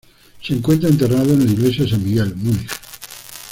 Se encuentra enterrado en la Iglesia de San Miguel, Múnich.